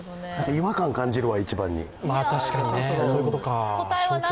違和感、感じるわ、１番に。